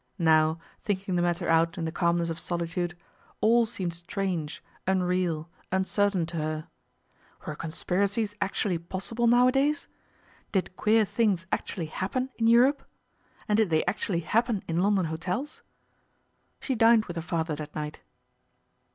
Now, thinking the matter out in the calmness of solitude, all seemed strange, unreal, uncertain to her. Were conspiracies actually possible nowadays? Did queer things actually happen in Europe? And did they actually happen in London hotels? She dined with her father that night.